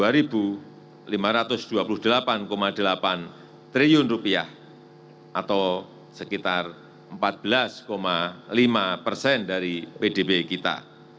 rp dua lima ratus dua puluh delapan delapan triliun atau sekitar empat belas lima persen dari pdb kita